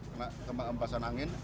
kembang kembang basan angin